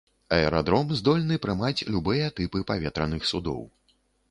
Аэрадром здольны прымаць любыя тыпы паветраных судоў.